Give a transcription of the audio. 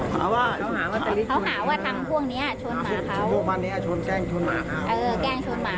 เขาหาว่าทางพวกนี้ชนหมาเขา